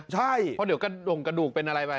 ใช่เพราะเดี๋ยวกระดงกระดูกเป็นอะไรไป